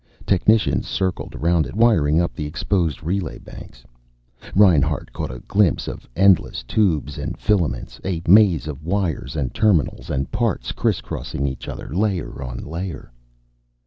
Technicians circled around it, wiring up the exposed relay banks. Reinhart caught a glimpse of endless tubes and filaments, a maze of wires and terminals and parts criss crossing each other, layer on layer.